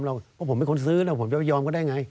เพราะผมไม่ควรซื้อแล้วผมจะไม่ยอมก็ได้ไง